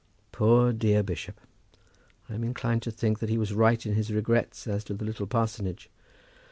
Poor dear bishop! I am inclined to think that he was right in his regrets as to the little parsonage.